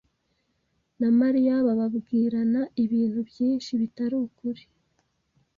na Mariya babwirana ibintu byinshi bitari ukuri.